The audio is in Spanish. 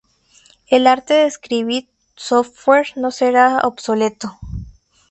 El arte de escribir software no será obsoleto.